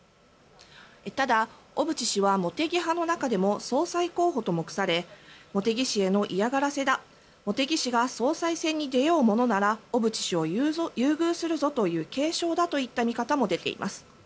ただ、小渕氏は茂木派の中でも総裁候補と目され茂木氏への嫌がらせだ茂木氏が総裁選に出ようものなら小渕氏を優遇するぞという警鐘だといった見方も出ています。